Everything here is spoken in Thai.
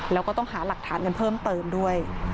แล้วก็ต้องหาหลักฐานกันเพิ่มเติมด้วย